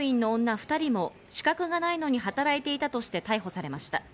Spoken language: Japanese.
２人も資格がないのに働いていたとして逮捕されました。